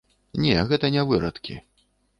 Не, гэта не вырадкі.